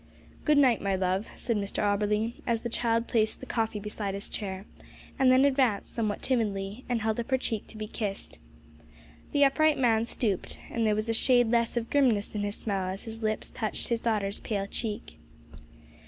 "Good night, my love," said Mr Auberly, as the child placed the coffee beside his chair, and then advanced, somewhat timidly, and held up her cheek to be kissed. The upright man stooped, and there was a shade less of grimness in his smile as his lips touched his daughter's pale cheek.